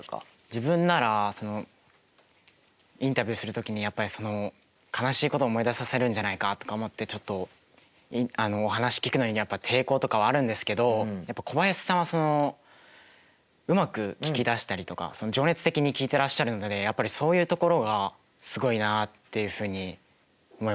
自分ならインタビューする時にやっぱりその悲しいことを思い出させるんじゃないかとか思ってちょっとお話聞くのにやっぱ抵抗とかはあるんですけど小林さんはうまく聞き出したりとか情熱的に聞いていらっしゃるのでやっぱりそういうところがすごいなっていうふうに思いました。